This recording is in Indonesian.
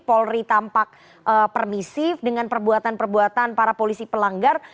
polri tampak permisif dengan perbuatan perbuatan para polisi pelanggar